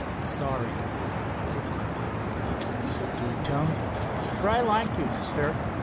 "Sorry," replied Hiram Dobbs in a subdued tone, "for I like you, mister.